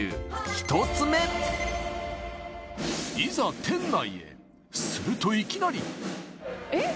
１つ目いざするといきなりえっ？